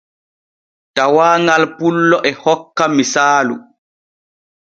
Tawaaŋal pullo e hokka misaalu.